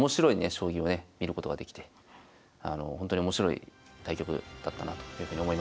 将棋をね見ることができて本当に面白い対局だったなというふうに思います。